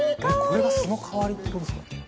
「これが酢の代わりって事ですか」